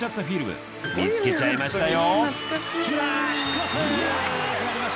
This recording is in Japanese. フィルム見つけちゃいましたよ！